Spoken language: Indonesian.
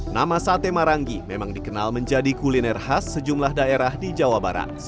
nama sate marangi memang dikenal menjadi kuliner khas sejumlah daerah di jawa barat